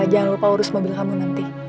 jangan lupa urus mobil kamu nanti